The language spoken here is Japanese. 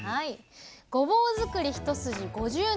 ごぼうづくり一筋５０年。